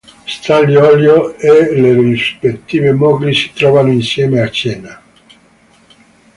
Stanlio, Ollio e le rispettive mogli si trovano insieme a cena.